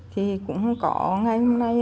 thì cũng không có ngày hôm nay